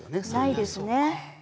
ないですね。